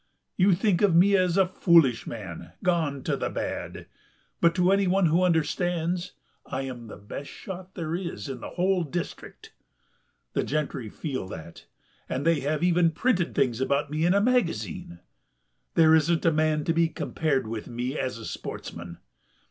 You think of me as a foolish man, gone to the bad, but to anyone who understands I am the best shot there is in the whole district. The gentry feel that, and they have even printed things about me in a magazine. There isn't a man to be compared with me as a sportsman....